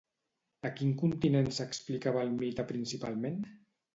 A quin continent s'explicava el mite principalment?